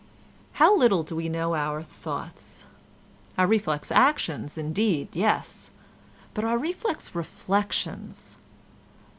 How little do we know our thoughts—our reflex actions indeed, yes; but our reflex reflections!